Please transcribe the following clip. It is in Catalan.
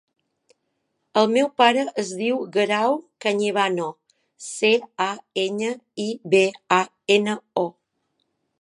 El meu pare es diu Guerau Cañibano: ce, a, enya, i, be, a, ena, o.